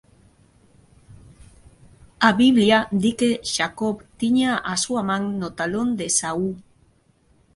A Biblia di que Xacob tiña a súa man no talón de Esaú.